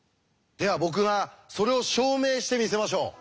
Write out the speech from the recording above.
では僕がそれを証明してみせましょう。